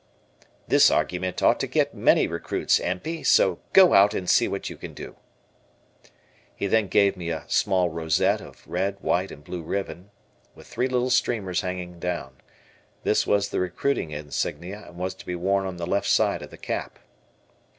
"This argument ought to get many recruits, Empey, so go out and see what you can do." He then gave me a small rosette of red, white, and blue ribbon, with three little streamers hanging down. This was the recruiting insignia and was to be worn on the left side of the cap.